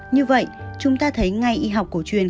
như vậy chúng ta thấy ngay y học cổ truyền